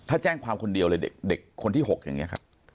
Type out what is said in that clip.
ถ้าแจ้งความคนเดียวเลยเด็กคนที่๖อย่างนี้ครับ